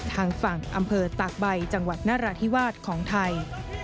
ทางฝั่งอำเภอตากใบจังหวัดนราธิวาสของไทย